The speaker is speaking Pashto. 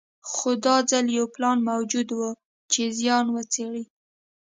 خو دا ځل یو پلان موجود و چې زیان وڅېړي.